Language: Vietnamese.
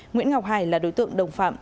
nguyễn ngọc hải là đối tượng đồng phạm